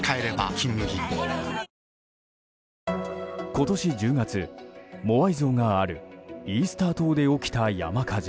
今年１０月、モアイ像があるイースター島で起きた山火事。